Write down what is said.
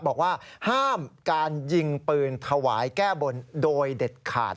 บอกว่าห้ามการยิงปืนถวายแก้บนโดยเด็ดขาด